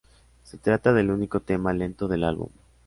Se trata del único tema lento del álbum.